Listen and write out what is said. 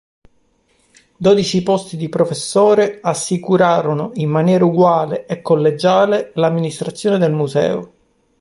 Dodici posti di professore assicurarono, in maniera uguale e collegiale, l'amministrazione del museo.